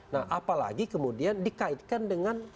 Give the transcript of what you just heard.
nah apalagi kemudian dikaitkan dengan